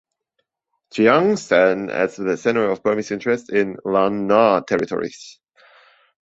Chiang Saen as the center of Burmese interests in Lan Na territories.